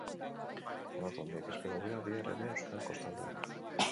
Olatu handiak espero dira bihar ere euskal kostaldean.